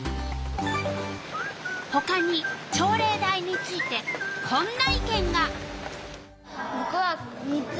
ほかに朝礼台についてこんな意見が。